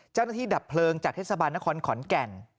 เจ้าหน้าที่ดับเพลิงจากเทศบาลนครขอนแก่น